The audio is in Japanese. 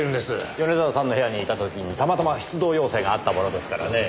米沢さんの部屋にいた時にたまたま出動要請があったものですからねぇ。